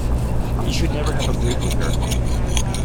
You should never have agreed with her